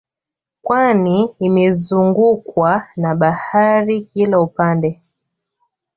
Kwani imezungukwa na bahari kila upande wake